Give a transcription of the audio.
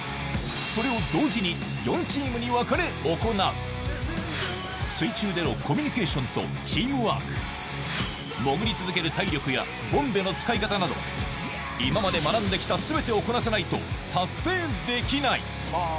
それを水中でのコミュニケーションとチームワーク潜り続ける体力やボンベの使い方など今まで学んで来た全てをこなさないと達成できない